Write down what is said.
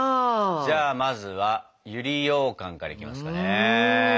じゃあまずは百合ようかんからいきますかね。